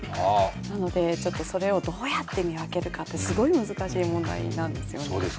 なので、ちょっとそれをどうやって見分けるかすごい難しい問題なんですよね。